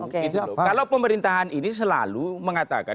kalau pemerintahan ini selalu mengatakan